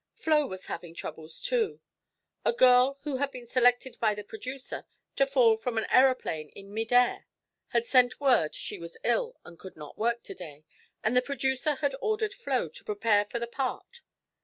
Flo was having troubles, too. A girl who had been selected by the producer to fall from an aeroplane in mid air had sent word she was ill and could not work to day, and the producer had ordered Flo to prepare for the part.